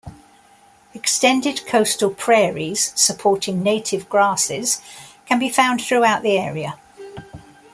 Extended coastal prairies supporting native grasses, can be found throughout the area.